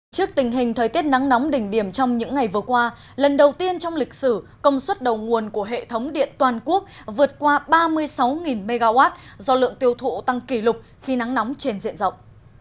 trước tình hình thời tiết nắng nóng đỉnh điểm trong những ngày vừa qua lần đầu tiên trong lịch sử công suất đầu nguồn của hệ thống điện toàn quốc vượt qua ba mươi sáu mw do lượng tiêu thụ tăng kỷ lục khi nắng nóng trên diện rộng